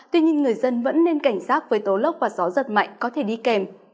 tuy nhiên người dân vẫn nên cảnh sát với tố lốc và gió giật mạnh có thể đi kèm